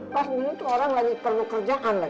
pas bingung tuh orang lagi perlu kerjaan lagi